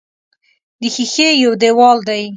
د ښیښې یو دېوال دی.